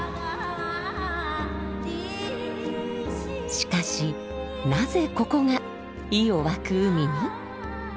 しかしなぜここが「魚湧く海」に？